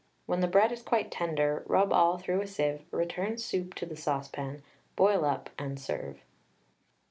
When the bread is quite tender, rub all through a sieve, return soup to the saucepan, boil up, and serve.